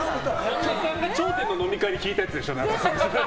さんまさんが頂点の飲み会で聞いたんでしょ？